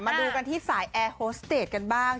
มาดูกันที่สายแอร์โฮสเตจกันบ้าง